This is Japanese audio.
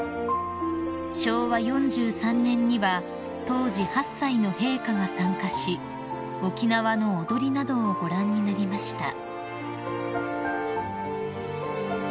［昭和４３年には当時８歳の陛下が参加し沖縄の踊りなどをご覧になりました］